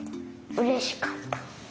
うれしかった。